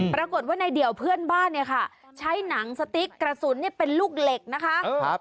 ปรากฏว่าในเดี่ยวเพื่อนบ้านเนี่ยค่ะใช้หนังสติ๊กกระสุนเป็นลูกเหล็กนะคะ